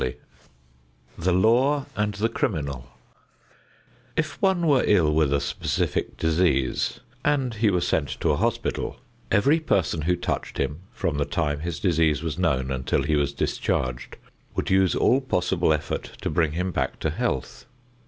XVI THE LAW AND THE CRIMINAL If one were ill with a specific disease and he were sent to a hospital, every person who touched him, from the time his disease was known until he was discharged, would use all possible effort to bring him back to health.